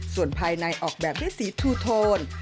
ส่วนภายในออกแบบด้วยสีทูโทน